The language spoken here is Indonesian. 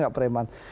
reampekting ambek ini